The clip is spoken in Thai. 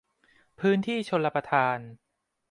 พื้นที่ชลประทาน